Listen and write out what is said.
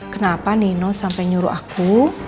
kenapa nino sampai nyuruh aku